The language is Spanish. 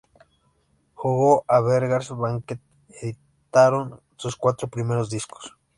Junto a Beggars Banquet editaron sus cuatro primeros discos.